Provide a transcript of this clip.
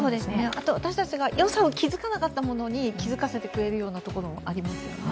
私たちがよさを気付かなかったものに気付かせてもらえるところもありますね。